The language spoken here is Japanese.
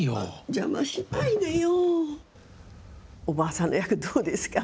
邪魔しないでよ。